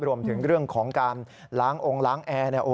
รวมถึงเรื่องของการล้างองค์ล้างแอร์